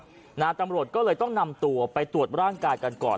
ตำรวจก็เลยต้องนำตัวไปตรวจร่างกายกันก่อน